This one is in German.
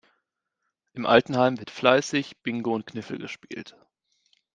Im Altenheim wird fleißig Bingo und Kniffel gespielt.